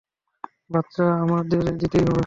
বাচ্চা আপনাদের দিতেই হবে।